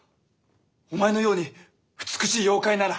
お前のように美しい妖怪なら！